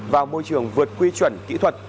và môi trường vượt quy chuẩn kỹ thuật